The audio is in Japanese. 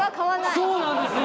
そうなんですよ！